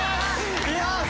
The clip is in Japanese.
よし！